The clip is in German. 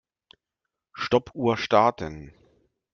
Stoppuhr starten.